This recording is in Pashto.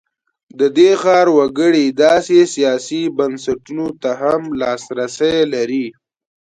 د دې ښار وګړي داسې سیاسي بنسټونو ته هم لاسرسی لري.